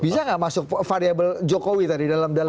bisa nggak masuk variable jokowi tadi dalam